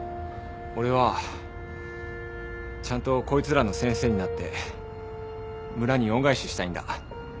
俺はちゃんとこいつらの先生になって村に恩返ししたいんだ。